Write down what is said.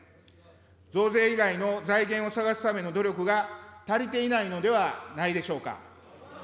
増税以外の財源を探すための努力が足りていないのではないでしょうか。